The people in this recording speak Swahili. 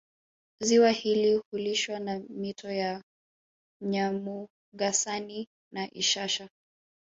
Ziwa hili hulishwa na mito ya Nyamugasani na Ishasha